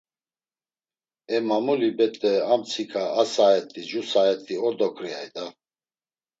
E mamuli bet̆e amtsika a saet̆i cu saet̆i ordo ǩriay da!